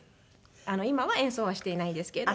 今は演奏はしていないんですけれども。